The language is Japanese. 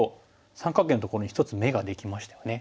三角形のところに１つ眼ができましたよね。